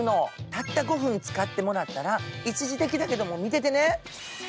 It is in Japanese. たった５分、使ってもらったら、一時的だけど、見てね。